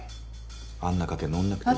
あんな賭け乗んなくていい。